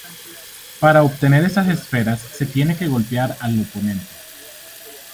Para obtener esas esfera, se tiene que golpear al oponente.